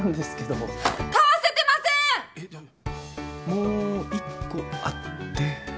もう１個あって。